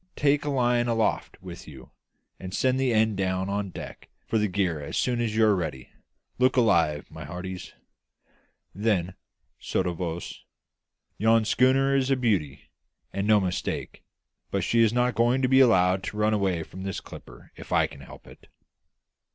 Take a line aloft with you, and send the end down on deck for the gear as soon as you are ready. Look alive, my hearties!" Then, sotto voce, "Yon schooner is a beauty, and no mistake; but she is not going to be allowed to run away from this clipper if I can help it!"